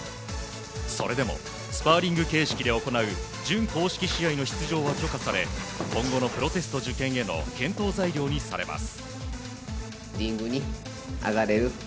それでもスパーリング形式で行う準公式試合への出場は許可され今後のプロテスト受験への検討材料にされます。